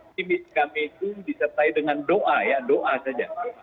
optimis kami itu disertai dengan doa ya doa saja